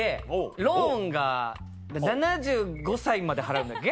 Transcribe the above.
ローンが７５歳まで払うんだっけ？